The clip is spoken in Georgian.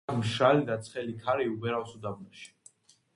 აქ მშრალი და ცხელი ქარი უბერავს უდაბნოში.